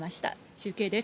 中継です。